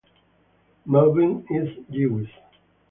Melvin is Jewish.